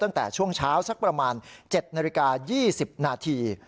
ตั้งแต่ช่วงเช้าสักประมาณ๗นาฬิกา๒๐นาที